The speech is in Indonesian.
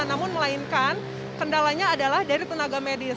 namun melainkan kendalanya adalah dari tenaga medis